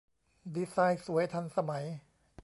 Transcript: ดีไซน์สวย ทันสมัย